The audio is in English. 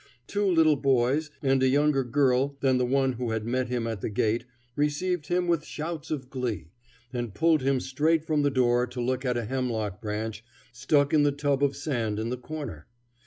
Two little boys and a younger girl than the one who had met him at the gate received him with shouts of glee, and pulled him straight from the door to look at a hemlock branch stuck in the tub of sand in the corner.